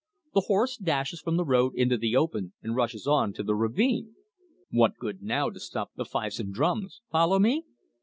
The horse dashes from the road into the open, and rushes on to the ravine. What good now to stop the fifes and drums follow me?